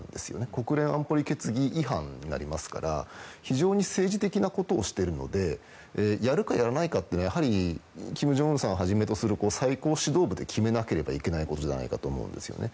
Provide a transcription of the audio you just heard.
国連安保理決議違反になりますから非常に政治的なことをしているのでやるかやらないかってやはり金正恩さんをはじめとする最高指導部で決めなければいけないことだと思うんですね。